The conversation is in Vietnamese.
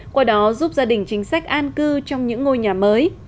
qua đó giúp gia đình chính sách an cư trong những ngôi nhà mới